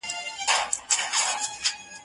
دا کالي له هغو پاک دي؟